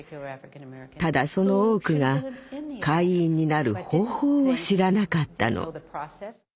ただその多くが会員になる方法を知らなかったの。